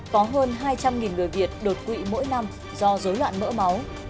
có hơn hai trăm linh người việt đột quỵ mỗi năm do dối loạn mỡ máu